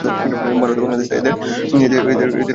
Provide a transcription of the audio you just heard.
ভারত ও বাংলাদেশ এদের আবাসস্থল।